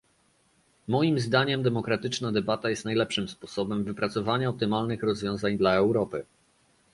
Moim zdaniem demokratyczna debata jest najlepszym sposobem wypracowania optymalnych rozwiązań dla Europy